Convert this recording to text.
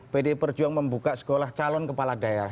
pdi perjuangan membuka sekolah calon kepala daerah